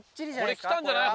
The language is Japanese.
これ来たんじゃない？